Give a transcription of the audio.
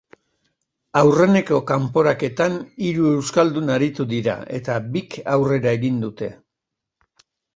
Aurreneko kanporaketan hiru euskaldun aritu dira eta bik aurrera egin dute.